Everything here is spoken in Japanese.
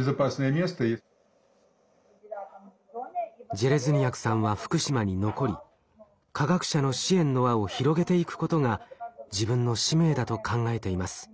ジェレズニヤクさんは福島に残り科学者の支援の輪を広げていくことが自分の使命だと考えています。